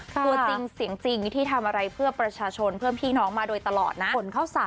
ตัวจริงเสียงจริงที่ทำอะไรเพื่อประชาชนเพื่อพี่น้องมาโดยตลอดนะ